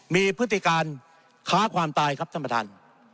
มีพฤติการค้าความตายครับท่านประธาน